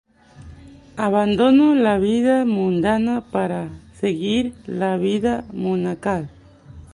Abandonó la vida mundana para seguir la vida monacal.